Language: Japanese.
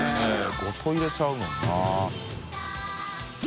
櫃瓦入れちゃうもんな。